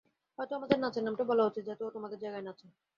হয়তো আমাদের নাচের নামটা বলা উচিত, যাতে ও তোদের জায়গায় নাচে।